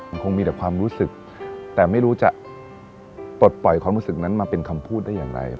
มันคงมีแต่ความรู้สึกแต่ไม่รู้จะปลดปล่อยความรู้สึกนั้นมาเป็นคำพูดได้อย่างไร